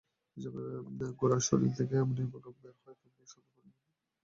ঘোড়ার শরীর থেকে এমনভাবে ঘাম বের হয়, যেন সদ্য পানি হতে উঠে এল।